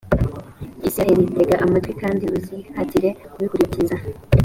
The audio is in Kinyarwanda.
israheli, tega amatwi kandi uzihatire kubikurikiza,